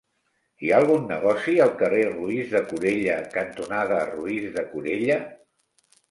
Hi ha algun negoci al carrer Roís de Corella cantonada Roís de Corella?